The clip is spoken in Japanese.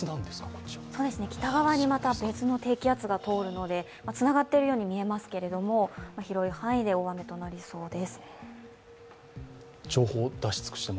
北側に別の低気圧が通るのでつながっているように見えますが、広い範囲で大雨となりそうです。